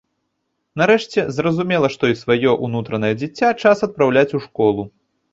Нарэшце, зразумела, што і сваё ўнутранае дзіця час адпраўляць у школу!